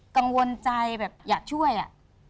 กังวลใจแบบอยากช่วยอ่ะ